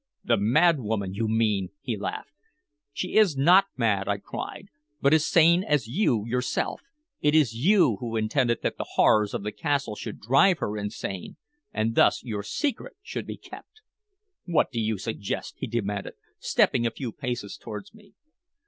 "The mad woman, you mean!" he laughed. "She is not mad," I cried, "but as sane as you yourself. It is you who intended that the horrors of the castle should drive her insane, and thus your secret should be kept!" "What do you suggest?" he demanded, stepping a few paces towards me.